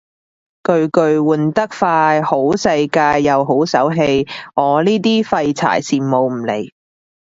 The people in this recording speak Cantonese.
巨巨換得快好世界又好手氣，我呢啲廢柴羨慕唔嚟